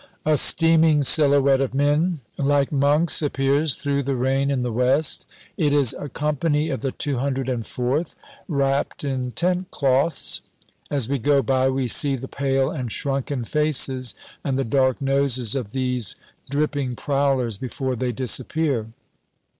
A steaming silhouette of men like monks appears through the rain in the west. It is a company of the 204th, wrapped in tent cloths. As we go by we see the pale and shrunken faces and the dark noses of these dripping prowlers before they disappear.